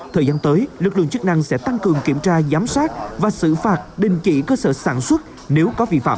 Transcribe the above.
thời gian tới lực lượng chức năng sẽ tăng cường kiểm tra giám sát và xử phạt đình chỉ cơ sở sản xuất nếu có vi phạm